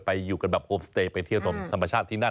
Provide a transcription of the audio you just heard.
อยู่กันแบบโฮมสเตย์ไปเที่ยวชมธรรมชาติที่นั่น